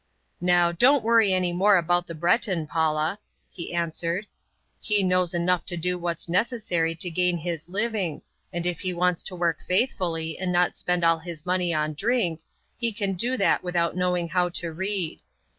"Now don't worry any more about the Breton, Paula," he answered. "He knows enough to do what's necessary to gain his living, and if he wants to work faithfully and not spend all his money on drink, he can do that without knowing how to read.